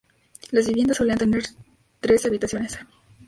Las viviendas solían tener tres habitaciones.